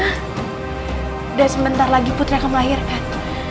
udah sebentar lagi putri akan melahirkan